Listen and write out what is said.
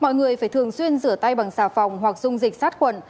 mọi người phải thường xuyên rửa tay bằng xà phòng hoặc dung dịch sát khuẩn